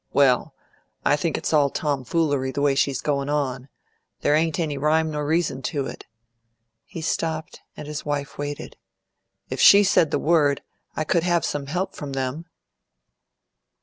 "Well, I think it's all tomfoolery, the way she's going on. There ain't any rhyme nor reason to it." He stopped, and his wife waited. "If she said the word, I could have some help from them."